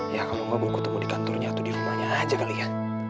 ya kalau nggak gue ketemu di kantornya atau di rumahnya aja kali ya